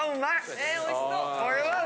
ええおいしそう。